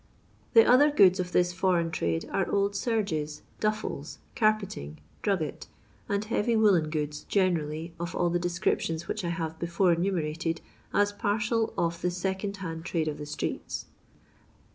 The other goods of this foreign trade are old serges, duffles, carpeting, drugget, and heavy woollen goods generally, of all the descriptions which I have before enumerated as parcel of the second hand trade of the streets.